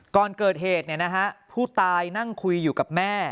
ก่อนเกิดเหตุผู้ตายนั่งคุยอยู่กับแม่